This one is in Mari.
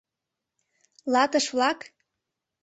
Латыш-влак?